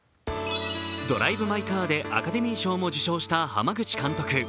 「ドライブ・マイ・カー」でアカデミー賞も受賞した濱口監督。